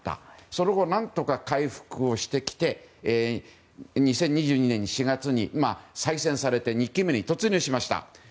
その後、何とか回復してきて２０２２年４月に再選されて２期目に突入しました。